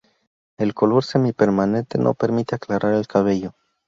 El color semi-permanente no permite aclarar el cabello.